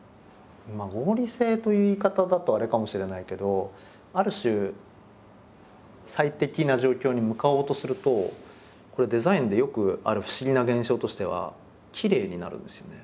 合理性という言い方だとあれかもしれないけどある種最適な状況に向かおうとするとこれデザインでよくある不思議な現象としてはきれいになるんですよね